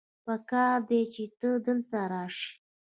پکار دی چې ته دلته راشې